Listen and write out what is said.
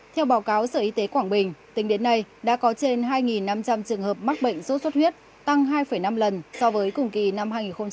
theo báo cáo sở y tế quảng bình tính đến nay đã có trên hai năm trăm linh trường hợp mắc bệnh sốt xuất huyết tăng hai năm lần so với cùng kỳ năm hai nghìn một mươi tám